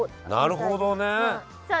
なるほどね。